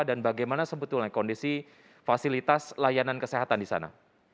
dan bagaimana sebetulnya kondisi fasilitas layanan kesehatan di sana